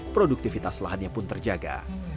produktivitas lahannya pun terjaga